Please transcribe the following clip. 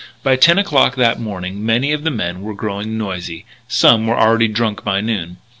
By ten o'clock that morning many of the men were growing noisy; some were already drunk by noon.